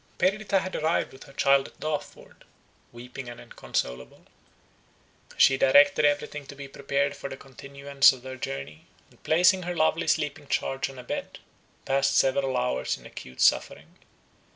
Perdita had arrived with her child at Dartford, weeping and inconsolable. She directed everything to be prepared for the continuance of their journey, and placing her lovely sleeping charge on a bed, passed several hours in acute suffering.